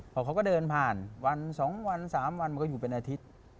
พอเขาก็เดินผ่านวัน๒วัน๓วันมันก็อยู่เป็นอาทิตย์